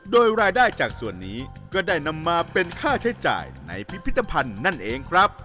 โดยรายได้จากส่วนนี้ก็ได้นำมาเป็นค่าใช้จ่ายในพิพิธภัณฑ์นั่นเองครับ